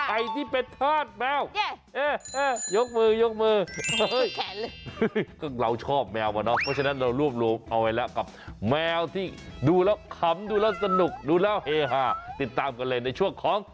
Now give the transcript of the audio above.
ไอ้ที่เป็ดทาสแมว